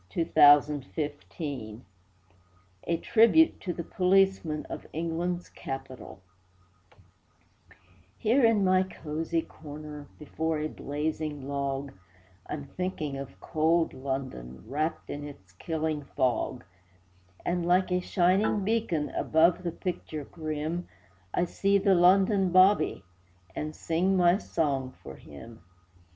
THE LONDON 'BOBBY' A TRIBUTE TO THE POLICEMEN OF ENGLAND'S CAPITAL Here in my cosy corner, Before a blazing log, I'm thinking of cold London Wrapped in its killing fog; And, like a shining beacon Above the picture grim, I see the London 'Bobby,' And sing my song for him.